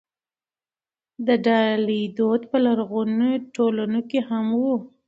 د ډالۍ دود په لرغونو ټولنو کې هم و.